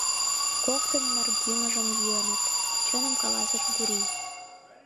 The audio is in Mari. — Коктын наргӱмыжым йӱыныт, — чыным каласыш Гурий.